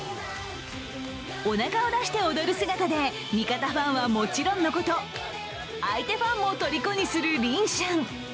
おなかを出して踊る姿で味方ファンはもちろんのこと、相手ファンもとりこにするリン・シャン。